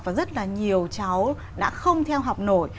và rất là nhiều cháu đã không theo học nổi